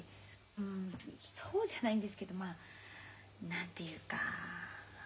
うんそうじゃないんですけどまあ何ていうかはい。